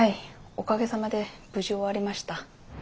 おかげさまで無事終わりました。